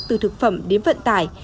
từ thực phẩm đến vận tải